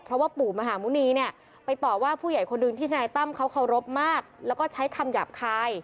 เพราะว่าปู่มหาหมุณีเนี่ยไปต่อว่าผู้ใหญ่คนหนึ่งที่ทนายตั้มเขาเคารพมากแล้วก็ใช้คำหยาบคาย